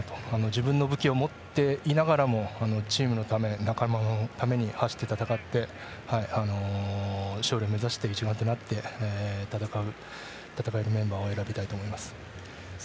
自分の武器を持っていながらもチームのため仲間のために走って戦って勝利を目指して一丸となって戦えるメンバーを選びたいと思います。